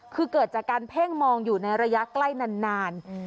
คือเกิดจากการเพ่งมองอยู่ในระยะใกล้นาน